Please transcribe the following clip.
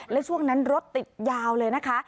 และช่วงนั้นรถติดยาวเลยนะคะ